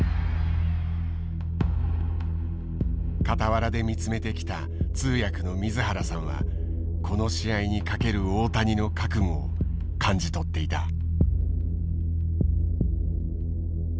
傍らで見つめてきた通訳の水原さんはこの試合にかける大谷の覚悟を感じ取っていた。